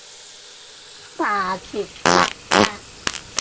罷黜百家